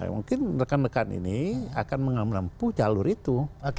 mungkin rekan rekan ini akan menempuh jalur itu